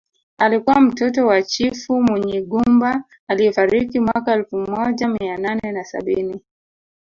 Alikuwa mtoto wa chifu Munyigumba aliyefariki mwaka elfu moja mia nane na sabini